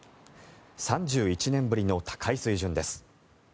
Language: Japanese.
３１年ぶりの高い水準です。